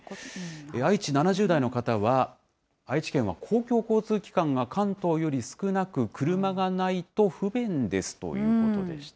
愛知、７０代の方は、愛知県は公共交通機関が関東より少なく、車がないと不便ですということでした。